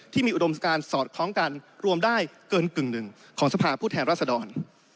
อุดมสการสอดคล้องกันรวมได้เกินกึ่งหนึ่งของสภาพผู้แทนรัศดร